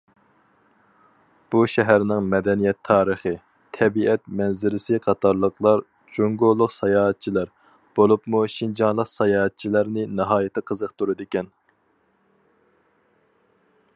بۇ شەھەرنىڭ مەدەنىيەت تارىخى، تەبىئەت مەنزىرىسى قاتارلىقلار جۇڭگولۇق ساياھەتچىلەر، بولۇپمۇ شىنجاڭلىق ساياھەتچىلەرنى ناھايىتى قىزىقتۇرىدىكەن.